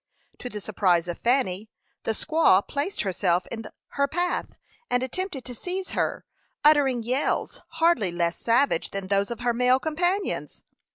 To the surprise of Fanny, the squaw placed herself in her path, and attempted to seize her, uttering yells hardly less savage than those of her male companions.